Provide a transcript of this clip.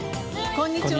こんにちは。